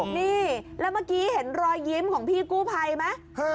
นี่แล้วเมื่อกี้เห็นรอยยิ้มของพี่กู้ภัยไหม